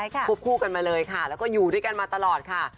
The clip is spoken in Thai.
ควบคู่กันมาเลยค่ะแล้วก็อยู่ด้วยกันมาตลอดค่ะ